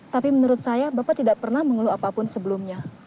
tapi menurut saya bapak tidak pernah mengeluh apapun sebelumnya